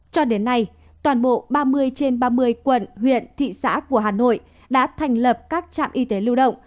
cho đến nay toàn bộ ba mươi trên ba mươi quận huyện thị xã của hà nội đã thành lập các trạm y tế lưu động